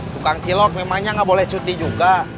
tukang cilok memangnya nggak boleh cuti juga